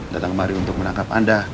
datang kemari untuk menangkap anda